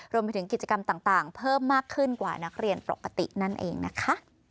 รวมไปถึงกิจกรรมต่างเพิ่มมากขึ้นกว่านักเรียนปกตินั่นเองนะคะ